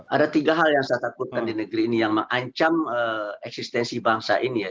ada tiga hal yang saya takutkan di negeri ini yang mengancam eksistensi bangsa ini ya